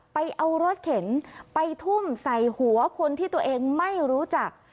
ไปเอารถเข็นไปทุ่มใส่หัวคนที่ตัวเองไม่รู้จัก